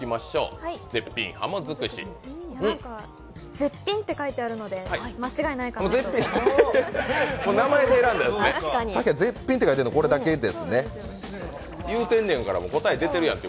絶品って書いてあるので間違いないかなって。